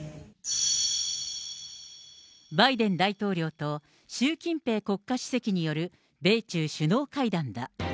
バイデン大統領と習近平国家主席による米中首脳会談だ。